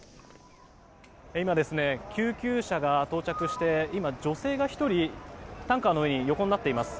今、救急車が到着して女性が１人担架の上に横になっています。